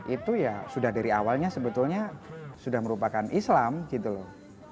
itu ya sudah dari awalnya sebetulnya sudah merupakan islam gitu loh